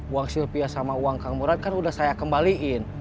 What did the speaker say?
uang sylvia sama uang kang murad kan udah saya kembaliin